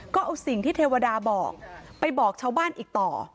ก็เอาสิ่งที่เทวดาบอกไปบอกชาวบ้านอีกต่อ